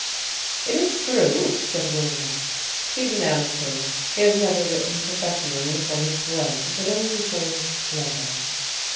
"It is true," said Willmott, "he's an amateur. He has never written professionally for his bread but only for his pleasure."